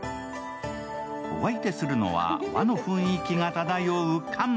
お相手するのは、和の雰囲気が漂う菅。